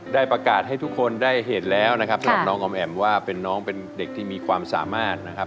ได้ประกาศให้ทุกคนได้เห็นแล้วนะครับสำหรับน้องออมแอ๋มว่าเป็นน้องเป็นเด็กที่มีความสามารถนะครับ